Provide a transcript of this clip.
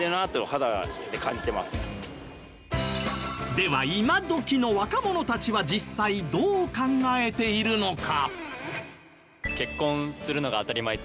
では今どきの若者たちは実際どう考えているのか？